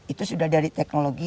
itu sudah dari teknologi